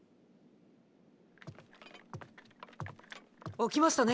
起きましたね。